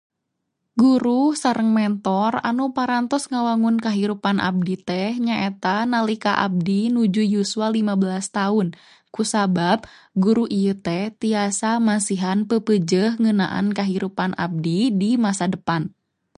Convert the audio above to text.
Guru sareng mentor anu parantos ngawangun kahirupan abdi teh nyaeta nalika abdi nuju yuswa lima belas taun, kusabab guru ieu teh tiasa masihan peupeujeuh ngeunaan kahirupan abdi di masa depan.